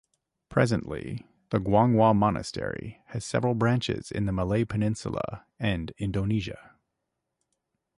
Presently, the Guanghua Monastery has seven branches in the Malay Peninsula and Indonesia.